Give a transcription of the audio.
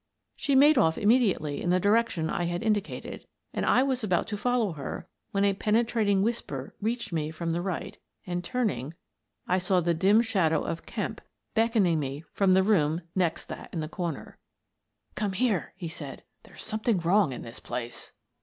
She made off immediately in the direction I had indicated, and I was about to follow her when a penetrating whisper reached me from the right, and, turning, I saw the dim shadow of Kemp beck oning me from the room next that in the corner. " Come here," he said. " There's something wrong in this place."